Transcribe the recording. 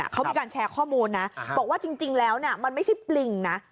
เขามีการแชร์ข้อมูลนะบอกว่าจริงแล้วมันไม่ใช่ปลิงนะ